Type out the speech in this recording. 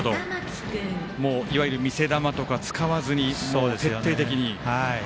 いわゆる見せ球とか使わずに徹底的に。